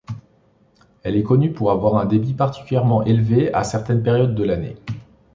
Elle est connue pour avoir un débit particulièrement élevé à certaines périodes de l'année.